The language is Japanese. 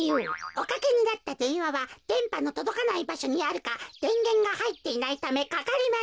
おかけになったでんわはでんぱのとどかないばしょにあるかでんげんがはいっていないためかかりません。